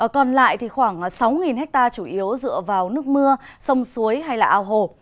còn lại thì khoảng sáu ha chủ yếu dựa vào nước mưa sông suối hay là ao hồ